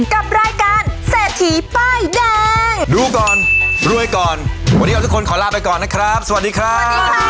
กับรายการเศรษฐีป้ายแดงดูก่อนด้วยก่อนสวัสดีคร่ะ